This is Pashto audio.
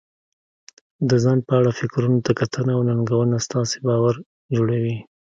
د ځان په اړه فکرونو ته کتنه او ننګونه ستاسې باور جوړوي.